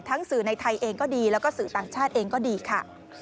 สื่อในไทยเองก็ดีแล้วก็สื่อต่างชาติเองก็ดีค่ะ